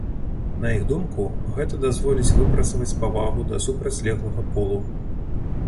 На іх думку, гэта дазволіць выпрацаваць павагу да супрацьлеглага полу.